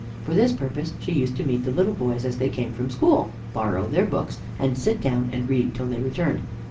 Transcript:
For this purpose she used to meet the little boys as they came from school, borrow their books, and sit down and read till they returned.